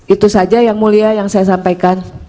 itu saja yang mulia yang saya sampaikan